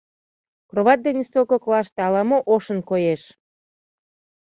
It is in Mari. Кровать ден ӱстел коклаште ала-мо ошын коеш.